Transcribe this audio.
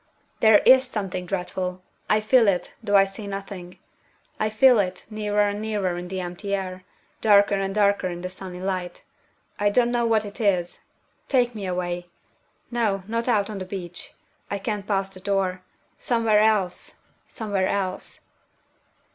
"There is something dreadful! I feel it, though I see nothing. I feel it, nearer and nearer in the empty air, darker and darker in the sunny light. I don't know what it is. Take me away! No. Not out on the beach. I can't pass the door. Somewhere else! somewhere else!"